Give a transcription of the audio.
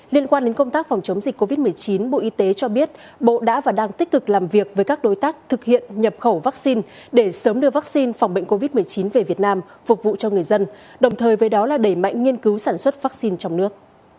liên quan đến công tác phòng chống dịch covid một mươi chín bộ y tế cho biết bộ đã và đang tích cực làm việc với các đối tác thực hiện nhập khẩu vaccine để sớm đưa vaccine phòng bệnh covid một mươi chín về việt nam phục vụ cho người dân đồng thời với đó là đẩy mạnh nghiên cứu sản xuất vaccine trong nước